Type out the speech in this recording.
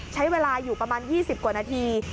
ใช้เวลาอยู่ประมาณ๒๐กว่านาที